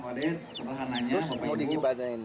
terus mau diibadahin